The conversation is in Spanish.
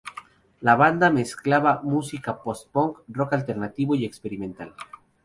La banda mezclaba música post-punk, rock alternativo y experimental.